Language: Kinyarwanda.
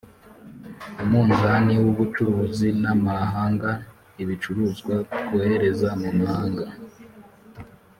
umunzani w'ubucuruzi n'amahanga ibicuruzwa twohereza mu mahanga